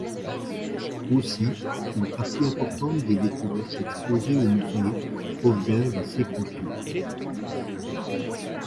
Aussi, une partie importante des découvertes exposées au musée provient des sépultures.